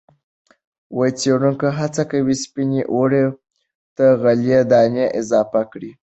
څېړونکي هڅه کوي سپینې اوړو ته غلې- دانه اضافه کړي.